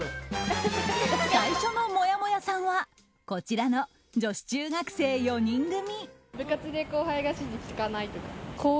最初のもやもやさんはこちらの女子中学生４人組。